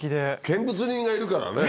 見物人がいるからね。